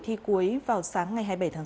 thi cuối vào sáng ngày hai mươi bảy tháng bốn